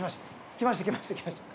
来ました来ました来ました。